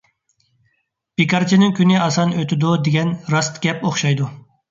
بىكارچىنىڭ كۈنى ئاسان ئۆتىدۇ، دېگەن راست گەپ ئوخشايدۇ.